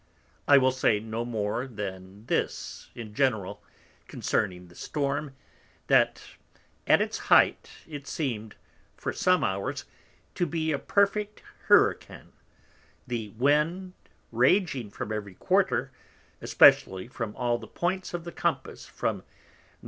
I will say no more than this in general, concerning the Storm, that, at its height, it seem'd, for some hours, to be a perfect Hurrican, the Wind raging from every Quarter, especially from all the Points of the Compass, from _N.E.